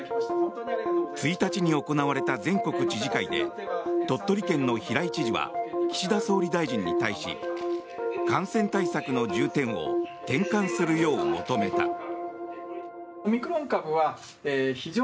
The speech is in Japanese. １日に行われた全国知事会で鳥取県の平井知事は岸田総理大臣に対し感染対策の重点を転換するよう求めた。